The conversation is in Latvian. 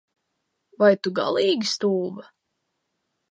Vai tu galīgi stulba?